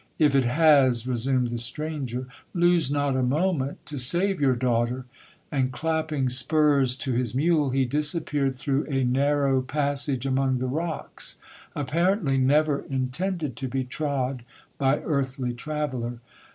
'If it has,' resumed the stranger, 'lose not a moment to save your daughter!' and, clapping spurs to his mule, he disappeared through a narrow passage among the rocks, apparently never intended to be trod by earthly traveller.